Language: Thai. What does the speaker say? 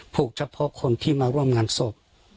เฉพาะคนที่มาร่วมงานศพ